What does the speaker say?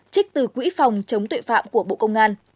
trích từ quỹ phòng chống tội phạm của bộ công an